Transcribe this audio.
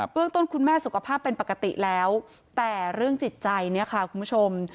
เรื่องต้นคุณแม่สุขภาพเป็นปกติแล้วแต่เรื่องจิตใจเนี่ยค่ะคุณผู้ชม